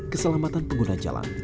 keselamatan pengguna jalan